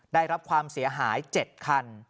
ได้รับความเสียหาย๗คัน